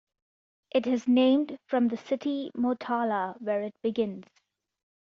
It is named from the city Motala where it begins.